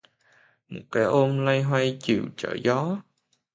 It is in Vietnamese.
Một cái ôm loay hoay chiều trở gió